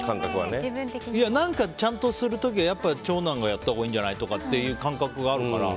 何かちゃんとする時は長男がやったほうがやっぱいいんじゃない？とかって感覚があるから。